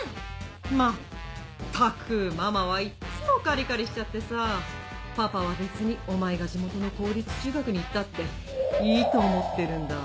「まったくママはいっつもカリカリしちゃってさぁパパは別にお前が地元の公立中学に行ったっていいと思ってるんだ」。